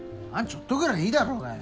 ちょっとぐらいいいだろうがよ。